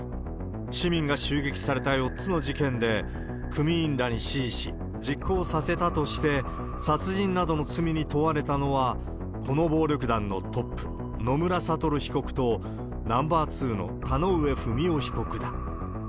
市民が襲撃された４つの事件で、組員らに指示し、実行させたとして、殺人などの罪に問われたのは、この暴力団のトップ、野村悟被告と、ナンバー２の田上不美夫被告だ。